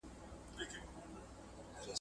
دغه علم د ټولنیزو ناخوالو مخه نیسي.